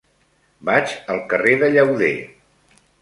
Vaig al carrer de Llauder.